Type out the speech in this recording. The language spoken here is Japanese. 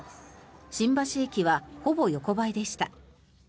新橋駅はほぼ横ばいでした。